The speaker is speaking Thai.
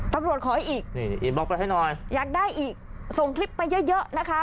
ตำรวจขอให้อีกอยากได้อีกส่งคลิปไปเยอะนะคะ